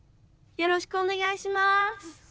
よろしくお願いします。